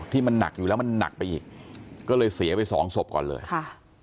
ที่มันหนักอยู่แล้วมันหนักไปอีกก็เลยเสียไปสองศพก่อนเลยค่ะ